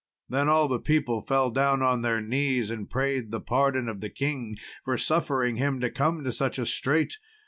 Then all the people fell down on their knees and prayed the pardon of the king for suffering him to come to such a strait.